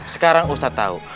sekarang ustadz tau